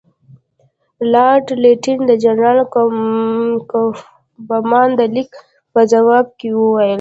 لارډ لیټن د جنرال کوفمان د لیک په ځواب کې وویل.